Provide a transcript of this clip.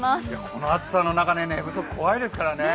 この暑さの中で寝不足怖いですからね。